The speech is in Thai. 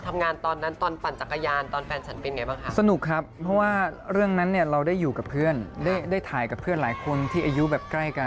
ทำงานตอนนั้นตอนปั่นจักรยานตอนแฟนฉันเป็นอย่างไรบ้างคะ